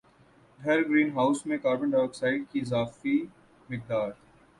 دھر greenhouse میں carbon dioxide کی اضافی مقدار